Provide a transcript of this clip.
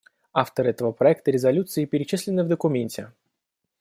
Авторы этого проекта резолюции перечислены в документе.